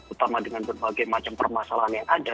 utama dengan berbagai macam permasalahan yang ada